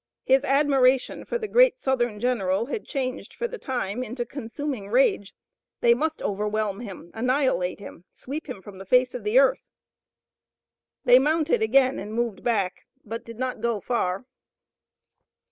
His admiration for the great Southern general had changed for the time into consuming rage. They must overwhelm him, annihilate him, sweep him from the face of the earth. They mounted again and moved back, but did not go far.